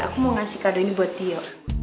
aku mau ngasih kado ini buat dia